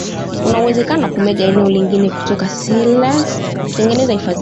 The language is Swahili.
kuna uwezekano wa kumega eneo lingine kutoka selous kutengeneza hifadhi mpya